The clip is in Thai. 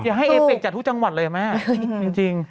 ให้เอเป็กจากทุกจังหวัดเลยแม่จริง